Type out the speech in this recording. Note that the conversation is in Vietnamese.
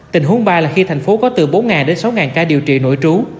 tình huống ba là khi thành phố có từ bốn đến sáu ca điều trị nội trú